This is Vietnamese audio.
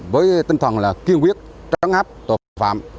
với tinh thần là kiên quyết trấn áp tội phạm